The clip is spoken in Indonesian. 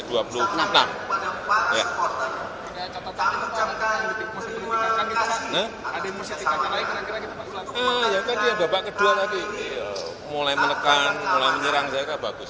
ya tadi yang babak kedua tadi mulai menekan mulai menyerang saya kira bagus